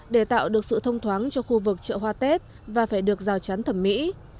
để tạo được sự thông thoáng cho khu vực chợ hoa tết và phải được rào chắn thẩm mỹ